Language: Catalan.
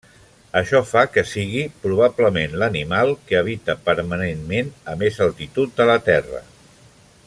Això fa que sigui probablement l'animal que habita permanentment a més altitud de la Terra.